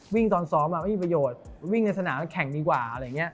วิ่งตอนซ้อมไม่มีประโยชน์วิ่งในสนามก็แข่งดีกว่า